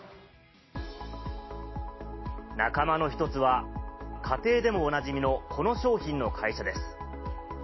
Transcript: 仲間の一つは家庭でもおなじみのこの商品の会社です。